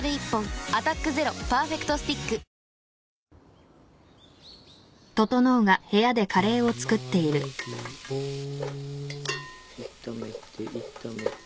「アタックＺＥＲＯパーフェクトスティック」「タマネギを炒めて炒めて」